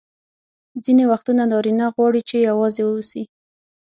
ځیني وختونه نارینه غواړي چي یوازي واوسي.